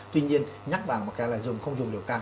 tuy nhiên nhắc vào một cái là dùng không dùng liều can